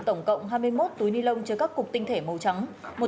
tổng cộng hai mươi một túi ni lông chứa các cục tinh thể màu trắng